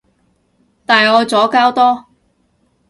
大愛左膠多